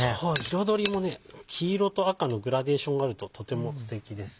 彩りも黄色と赤のグラデーションがあるととてもステキですね。